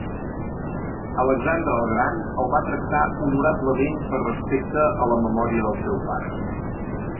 Alexandre el Gran el va tractar honorablement per respecte a la memòria del seu pare.